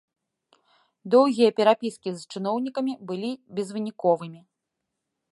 Доўгія перапіскі з чыноўнікамі былі безвыніковымі.